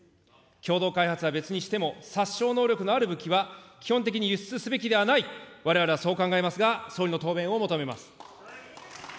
共同開発は別にしても、殺傷能力のある武器は、基本的に輸出すべきではない、われわれはそう考えますが、総理の答弁を求めます。